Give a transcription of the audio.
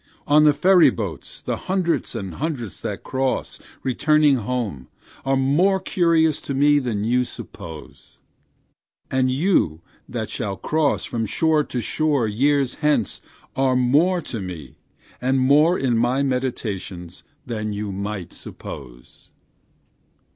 On the ferry boats the hundreds and hundreds that cross, returning home, are more curious to me than you suppose; And you that shall cross from shore to shore years hence are more to me, and more in my meditations, than you might suppose.